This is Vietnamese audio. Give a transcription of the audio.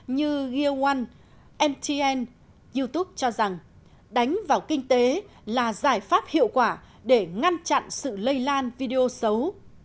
như gear một ntn youtube cho rằng đánh vào kinh tế là giải pháp hiệu quả để ngăn chặn sự lây lan video xấu